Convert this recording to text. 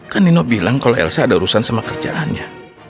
kan nino bilang kalau elsa ada urusan sama kerjaannya